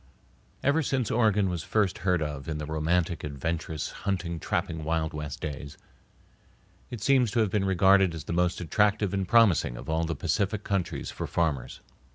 Ever since Oregon was first heard of in the romantic, adventurous, hunting, trapping Wild West days, it seems to have been regarded as the most attractive and promising of all the Pacific countries for farmers.